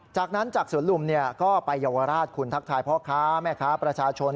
จากนั้นจากสวนลุมก็ไปเยาวราชคุณทักทายพ่อค้าแม่ค้าประชาชน